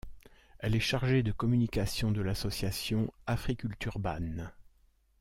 Elle est chargée de communication de l'association Africulturban.